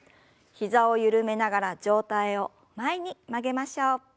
膝を緩めながら上体を前に曲げましょう。